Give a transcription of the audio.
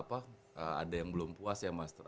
ada yang belum puas ya mas